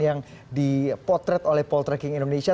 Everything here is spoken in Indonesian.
yang dipotret oleh poltreking indonesia